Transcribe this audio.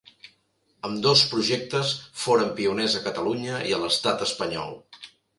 Ambdós projectes foren pioners a Catalunya i a l'estat espanyol.